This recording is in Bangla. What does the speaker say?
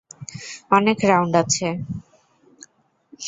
অনেক রাউন্ড আছে।